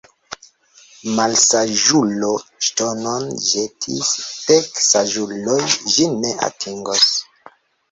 Malsaĝulo ŝtonon ĵetis, dek saĝuloj ĝin ne atingos.